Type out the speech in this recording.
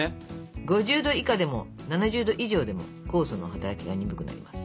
５０℃以下でも７０℃以上でも酵素の働きが鈍くなります。